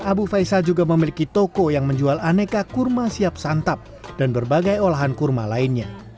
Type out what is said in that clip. abu faisal juga memiliki toko yang menjual aneka kurma siap santap dan berbagai olahan kurma lainnya